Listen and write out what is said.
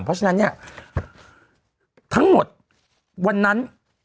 เพราะฉะนั้นเนี่ยทั้งหมดวันนั้น